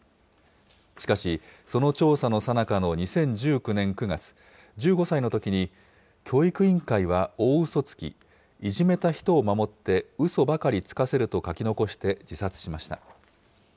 しかし、その調査のさなかの２０１９年９月、１５歳のときに、教育委員会は大ウソつき、いじめた人を守って、ウソばかりつかせると書き残して自殺しました。